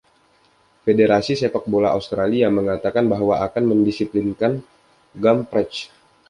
Federasi Sepak Bola Australia mengatakan bahwa akan mendisiplinkan Gumprecht.